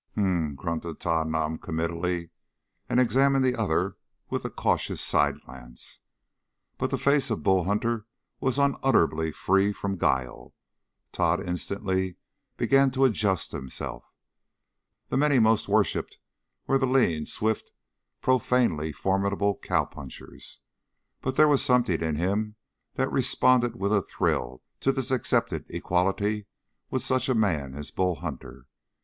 "H'm," grunted Tod noncommittally, and examined the other with a cautious side glance. But the face of Bull Hunter was unutterably free from guile. Tod instantly began to adjust himself. The men he most worshiped were the lean, swift, profanely formidable cowpunchers. But there was something in him that responded with a thrill to this accepted equality with such a man as Bull Hunter.